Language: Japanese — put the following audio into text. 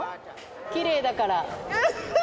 きれいだから。